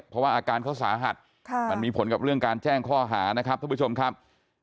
เพราะว่าอาการเขาสาหัสมันมีผลกับเรื่องการแจ้งข้อหานะครับท่านผู้ชมครับ